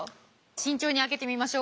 慎重に開けてみましょう。